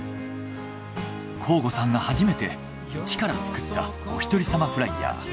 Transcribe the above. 向後さんが初めて一から作ったおひとりさまフライヤー。